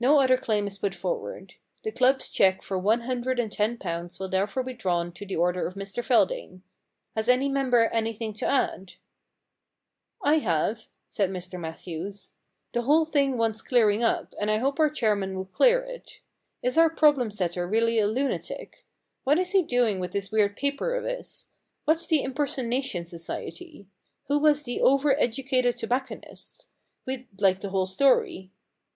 No other claim is put forward. The club's cheque for one hundred and ten pounds will therefore be drawn to the order of Mr Feldane. Has any member anything to add ?I have,' said Mr Matthews. * The whole thing wants clearing up, and I hope our chair man will clear it. Is our problem setter really a lunatic ? What is he doing with this weird paper of his ? What's the Impersonation Society ? Who was the over educated tobac conist ? We'd like the whole story.'